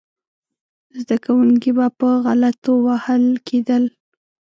زده کوونکي به په غلطیو وهل کېدل.